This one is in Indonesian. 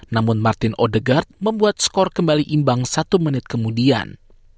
namun martin odegar membuat skor kembali imbang satu menit kemudian